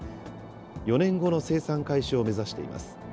４年後の生産開始を目指しています。